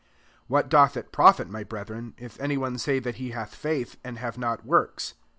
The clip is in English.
14 What doth it profit, my brethren, if any one say that he hath faith, and have not works